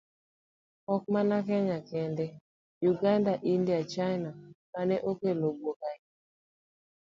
Ok mana kenya kende, Uganda, India, China, mane okelo buok ahinya.